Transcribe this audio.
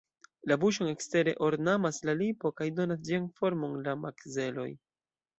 La buŝon ekstere ornamas la lipo kaj donas ĝian formon la makzeloj.